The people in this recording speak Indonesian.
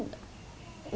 ya udah terbiasa